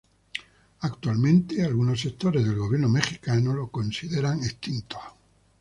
Actualmente, algunos sectores del gobierno mexicano los consideran extintos.